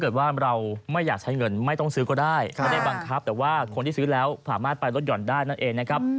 ได้ไม่ได้บังคับแต่ว่าคนที่ซื้อแล้วสามารถไปลดหย่อนได้นั่นเองนะครับ